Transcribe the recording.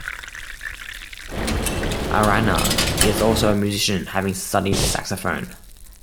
Arana is also a musician, having studied the saxophone.